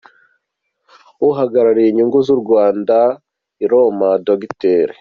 Uhagarariye inyungu z’u Rwanda i Roma Dr.